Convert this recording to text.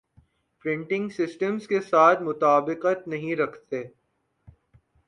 پریٹنگ systems کے ساتھ مطابقت نہیں رکھتے